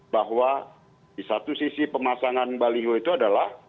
bahwa di satu sisi pemasangan baliho itu adalah